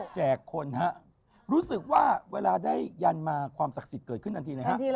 แจกคนฮะรู้สึกว่าเวลาได้ยันมาความศักดิ์สิทธิ์เกิดขึ้นทันทีเลยฮะ